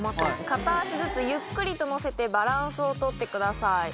片足ずつゆっくりと乗せてバランスを取ってください。